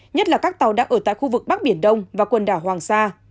nhất là các tàu đang ở tại khu vực bắc biển đông và quần đảo hoàng sa